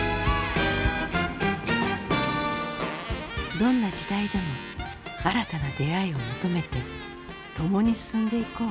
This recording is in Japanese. どんな時代でも新たな出会いを求めて共に進んでいこう。